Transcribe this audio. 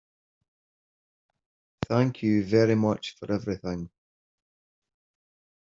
Thank you very much for everything.